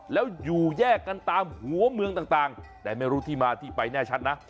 แล้วอยู่แยกกันตามหัวเมืองต่างแต่ไม่รู้ที่มาที่ไปแน่ชัดนะ